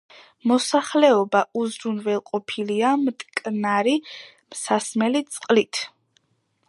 მოსახლეობა უზრუნველყოფილია მტკნარი სასმელი წყლით.